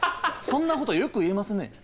そんなことよく言えますね。